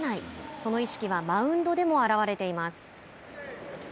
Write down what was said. その意識はマウンドでも表れています。